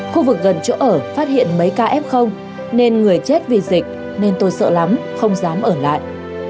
khu vực gần chỗ ở phát hiện mấy ca f nên người chết vì dịch nên tôi sợ lắm không dám ở lại